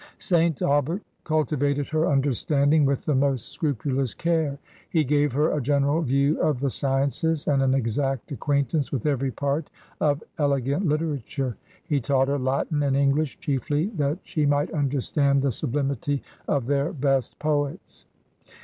... St. Aubert cultivated her understanding with the most scrupulous care. He gave her a general view of the sciences, and an exact acquaintance with every part of elegant literature. He taught her Latin and Eng lish, chiefly that she might imderstand the sublimity of their best poets."'